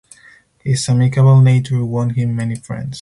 His amicable nature won him many friends.